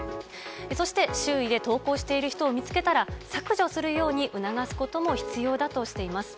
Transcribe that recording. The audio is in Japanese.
そして周囲で投稿している人を見つけたら、削除するように促すことも必要だとしています。